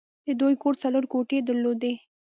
د دوی کور څلور کوټې درلودې